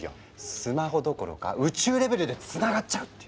スマホどころか宇宙レベルでつながっちゃうっていうか。